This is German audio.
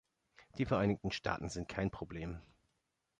Die Vereinigten Staaten sind kein Problem.